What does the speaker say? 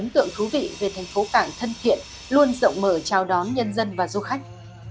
tượng thú vị về thành phố cảng thân thiện luôn rộng mở chào đón nhân dân và du khách